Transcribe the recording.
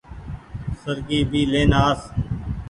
سرڪي ڀي لين آس۔